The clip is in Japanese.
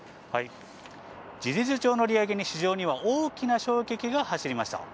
事実上の利上げに、市場には大きな衝撃が走りました。